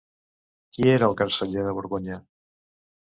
Qui era el canceller de Borgonya?